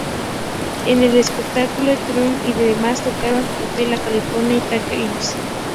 En el espectáculo, Timothy y los demás tocaron "Hotel California" y "Take it easy".